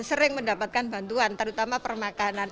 sering mendapatkan bantuan terutama permakanan